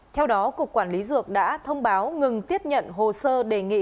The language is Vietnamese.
theo đó cục quản lý dược đã thông báo ngừng tiếp nhận hồ sơ đề nghị